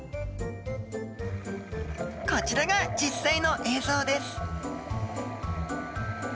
こちらが実際の映像です